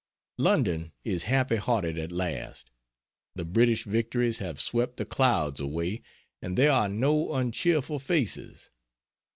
London is happy hearted at last. The British victories have swept the clouds away and there are no uncheerful faces.